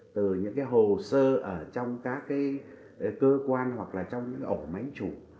từ những cái hồ sơ ở trong các cái cơ quan hoặc là trong những ổ máy chủ